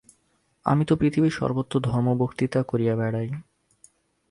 আমি তো পৃথিবীর সর্বত্র ধর্ম-বক্তৃতা করিয়া বেড়াই।